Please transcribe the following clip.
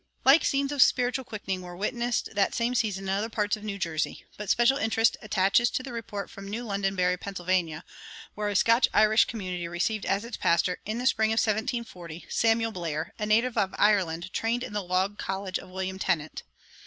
Like scenes of spiritual quickening were witnessed that same season in other parts of New Jersey; but special interest attaches to the report from New Londonderry, Penn., where a Scotch Irish community received as its pastor, in the spring of 1740, Samuel Blair, a native of Ireland, trained in the Log College of William Tennent.